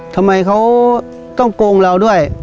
ทำไมเขาต้องโกงเราด้วย